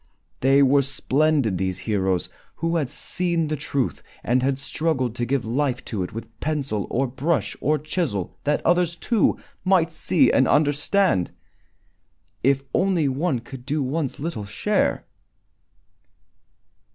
They were splendid, these heroes who had seen the truth and had struggled to give life to it with pencil or brush or chisel, that others, too, might see and understand. If only one could do one's little share!